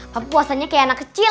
tapi puasanya kayak anak kecil